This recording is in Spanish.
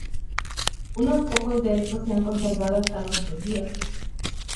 Unos pocos de estos se han conservado hasta nuestros días.